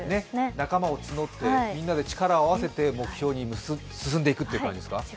仲間を募って、みんなで力を合わせて目標に進んでいくという感じですか？